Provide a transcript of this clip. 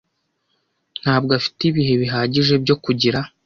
Ntabwo afite ibihe bihagije byo kugira